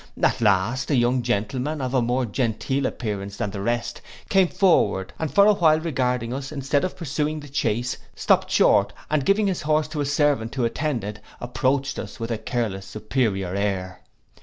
At last, a young gentleman of a more genteel appearance than the rest, came forward, and for a while regarding us, instead of pursuing the chace, stopt short, and giving his horse to a servant who attended, approached us with a careless superior air.